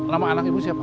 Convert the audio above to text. nama anak ibu siapa